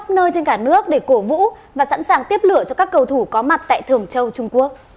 nơi trên cả nước để cổ vũ và sẵn sàng tiếp lửa cho các cầu thủ có mặt tại thường châu trung quốc